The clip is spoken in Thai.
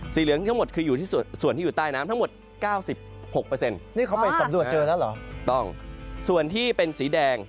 สีเหลืองทั้งหมดคือส่วนที่อยู่ใต้น้ำทั้งหมด๙๖